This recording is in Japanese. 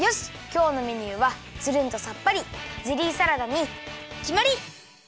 きょうのメニューはつるんとさっぱりゼリーサラダにきまり！